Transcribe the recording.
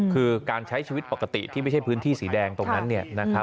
คือการใช้ชีวิตปกติที่ไม่ใช่พื้นที่สีแดงตรงนั้น